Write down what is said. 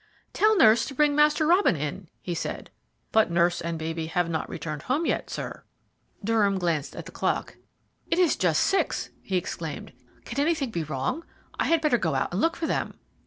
"Tell nurse to bring Master Robin in," he said. "But nurse and baby have not returned home yet, sir." Durham glanced at the clock. "It is just six," he exclaimed. "Can anything be wrong? I had better go out and look for them."